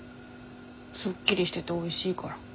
すっきりしてておいしいから。